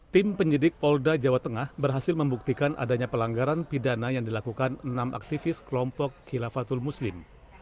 tim penyidik polda jawa tengah berhasil membuktikan adanya pelanggaran pidana yang dilakukan enam aktivis kelompok khilafatul muslim